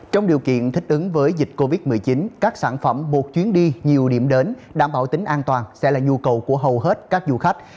trong điều kiện thích ứng với dịch covid một mươi chín các sản phẩm một chuyến đi nhiều điểm đến đảm bảo tính an toàn sẽ là nhu cầu của hầu hết các du khách